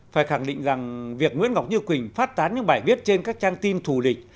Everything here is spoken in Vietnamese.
phải khẳng định rằng việc nguyễn ngọc như quỳnh phát tán những bài viết trên các trang tin thù địch